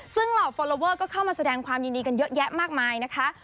ซึ่งเหล่าฟอลลอเวอร์ก็เข้ามาแสดงความยินดีกันเยอะแยะมากมายนะคะ